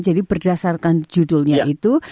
jadi berdasarkan judulnya itu